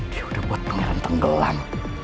dia udah buat pangeran tenggelam